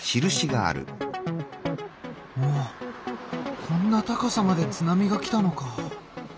おっこんな高さまで津波が来たのか。